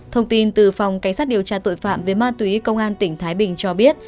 thông tin từ phòng cảnh sát điều tra tội phạm về ma túy công an tỉnh thái bình cho biết